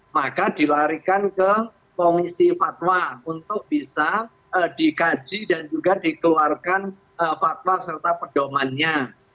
maka dilarikan ke komisi fatwa untuk bisa dikaji dan juga dikeluarkan fatwa serta pedomannya